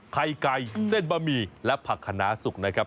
ไข่ไก่เส้นบะหมี่และผักขนาสุกนะครับ